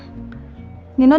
apa perusahaan ini